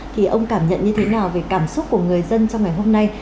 thì ông cảm nhận như thế nào về cảm xúc của người dân trong ngày hôm nay